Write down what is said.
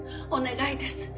お願いです。